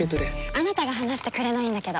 あなたが離してくれないんだけど。